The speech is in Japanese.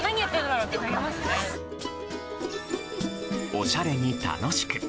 おしゃれに楽しく。